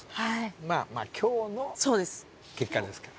まあまあ今日の結果ですから。